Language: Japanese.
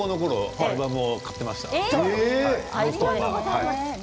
アルバム買っていました。